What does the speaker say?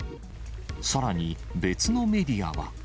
さらに別のメディアは。